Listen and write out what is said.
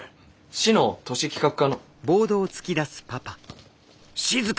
市の都市企画課の。